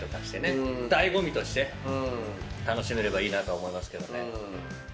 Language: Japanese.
醍醐味として楽しめればいいなと思いますけどね。